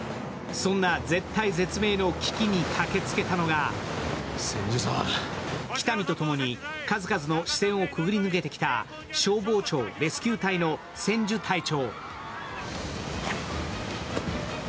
そんな絶体絶命の危機に駆けつけたのは喜多見とともに数々の死線をくぐり抜けてきた消防庁レスキュー隊の千住隊長。